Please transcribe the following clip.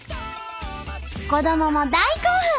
子どもも大興奮！